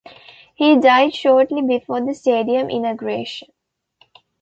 He died shortly before the stadium inauguration.